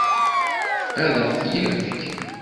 Ad ɣ-t-yefk?